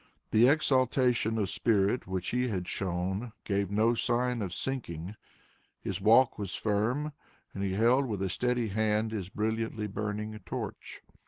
The exaltation of spirit which he had shown, gave no sign of sinking, his walk was firm, and he held with a steady hand his brilliantly burning torch.